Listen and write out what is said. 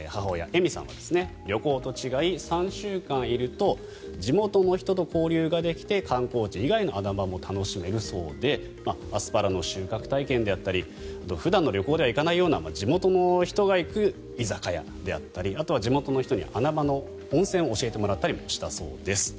絵美さんは旅行と違い３週間いると地元の人と交流ができて観光地以外の穴場も楽しめるそうでアスパラの収穫体験であったり普段の旅行では行かないような地元の人が行く居酒屋であったりあとは地元の人に穴場の温泉を教えてもらったりもしたそうです。